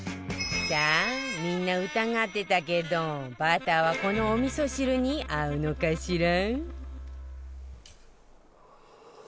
さあみんな疑ってたけどバターはこのお味噌汁に合うのかしら？